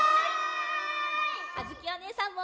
あづきおねえさんも！